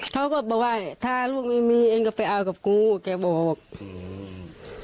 เขาก็บอกว่าถ้าลูกไม่มีเองก็ไปเอากับกูแกบอกอืม